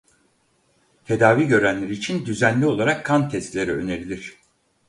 Tedavi görenler için düzenli olarak kan testleri önerilir.